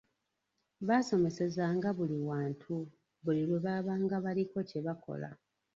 Basomesezanga buli wantu, buli lwe babanga baliko kye bakola.